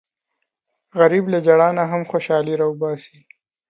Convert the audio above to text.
غریب له ژړا نه هم خوښي راوباسي